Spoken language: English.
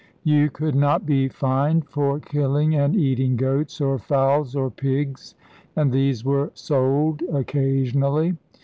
You could not be fined for killing and eating goats, or fowls, or pigs, and these were sold occasionally.